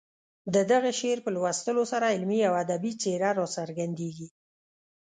د دغه شعر په لوستلو سره علمي او ادبي څېره راڅرګندېږي.